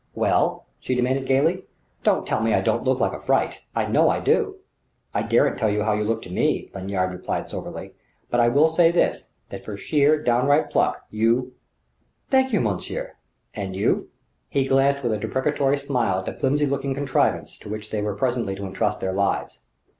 "Well?" she demanded gaily. "Don't tell me I don't look like a fright! I know I do!" "I daren't tell you how you look to me," Lanyard replied soberly. "But I will say this, that for sheer, down right pluck, you " "Thank you, monsieur! And you?" He glanced with a deprecatory smile at the flimsy looking contrivance to which they were presently to entrust their lives.